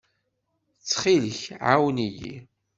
Ttxil-k, ɛawen-iyi!